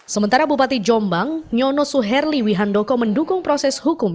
sementara bupati jombang nyono suherli wihandoko mendukung proses hukum